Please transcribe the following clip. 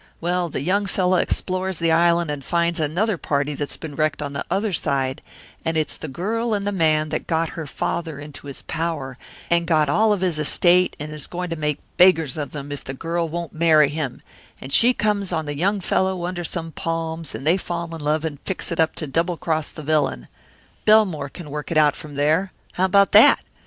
Well, the young fellow explores the island and finds another party that's been wrecked on the other side, and it's the girl and the man that got her father into his power and got all of his estate and is going to make beggars of them if the girl won't marry him, and she comes on the young fellow under some palms and they fall in love and fix it up to double cross the villain Belmore can work it out from there. How about that?